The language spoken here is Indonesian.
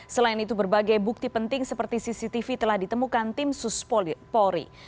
selain itu berbagai bukti penting seperti cctv telah ditemukan tim sus polri